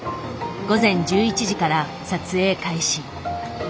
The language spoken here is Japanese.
午前１１時から撮影開始。